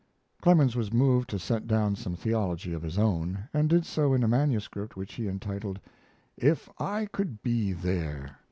Clemens was moved to set down some theology of his own, and did so in a manuscript which he entitled, "If I Could Be There."